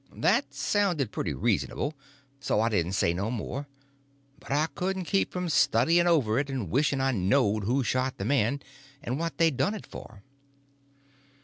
That sounded pretty reasonable, so I didn't say no more; but I couldn't keep from studying over it and wishing I knowed who shot the man, and what they done it for.